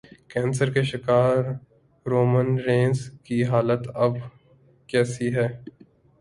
cancer کے شکار Roman Reigns کی حالت اب کیسی ہے